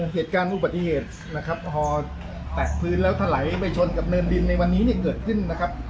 เหตุการณ์อุบัติเหตุนะครับพอตัดฟื้นแล้วถลายไปชนกับเนินดินในวันนี้เนี่ยเกิดขึ้นนะครับ